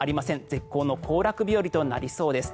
絶好の行楽日和となりそうです。